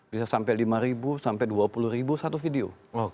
bisa sampai lima sampai dua puluh ribu satu video